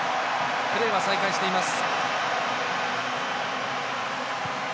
プレーは再開しています。